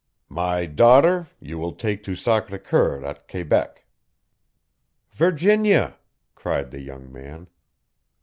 "My daughter you will take to Sacré Coeur at Quebec." "Virginia!" cried the young man.